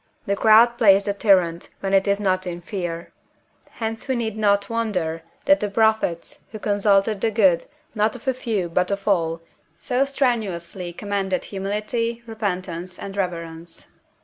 The crowd plays the tyrant, when it is not in fear; hence we need not wonder that the prophets, who consulted the good, not of a few, but of all, so strenuously commended Humility, Repentance, and Reverence.